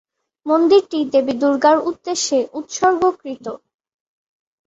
মন্দিরটি দেবী দুর্গার উদ্দেশ্যে উত্সর্গীকৃত।